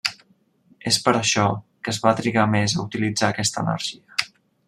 És per això que es va trigar més a utilitzar aquesta energia.